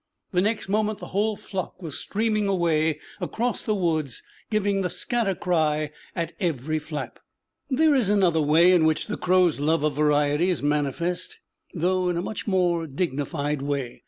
The next moment the whole flock were streaming away across the woods, giving the scatter cry at every flap. There is another way in which the crows' love of variety is manifest, though in a much more dignified way.